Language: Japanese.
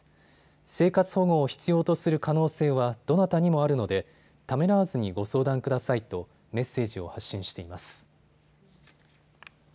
生活保護を必要とする可能性はどなたにもあるのでためらわずにご相談くださいとメッセージを発信しています。